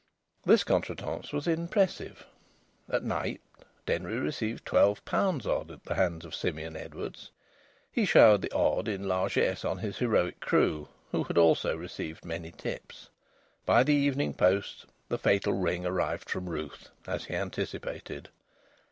This contretemps was impressive. At night Denry received twelve pounds odd at the hands of Simeon Edwards. He showered the odd in largesse on his heroic crew, who had also received many tips. By the evening post the fatal ring arrived from Ruth, as he anticipated.